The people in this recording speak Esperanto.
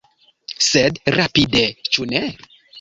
Sed rapide, ĉu ne?